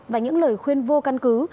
và những lời khuyên vô căn cứ